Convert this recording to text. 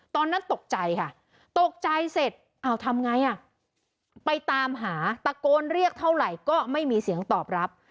ตอนนั้นตกใจค่ะตกใจเสร็จเอาทำไงอ่ะไปตามหาตะโกนเรียกเท่าไหร่ก็ไม่มีเสียงตอบรับ